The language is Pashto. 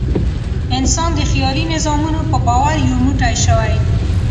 انسان د خیالي نظامونو په باور یو موټی شوی.